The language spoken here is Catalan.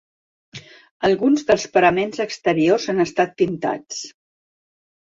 Alguns dels paraments exteriors han estat pintats.